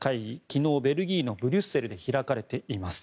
昨日、ベルギーのブリュッセルで開かれています。